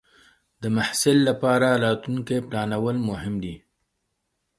د محصل لپاره راتلونکې پلانول مهم دی.